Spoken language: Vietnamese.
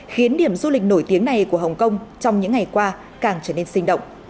khiến điểm du lịch nổi tiếng này của hồng kông trong những ngày qua càng trở nên sinh động